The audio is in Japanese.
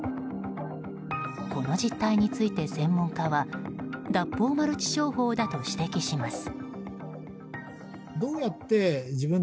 この実態について、専門家は脱法マルチ商法だと指摘します。